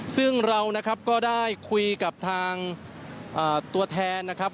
ซึ่งเรานะครับก็ได้คุยกับทางตัวแทนนะครับ